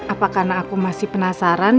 apa karena aku masih penasaran